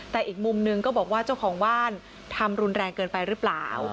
แต่อีกมุมนึงก็บอกว่าเจ้าของบ้านทำรุนแรงเกินไปหรือเปล่า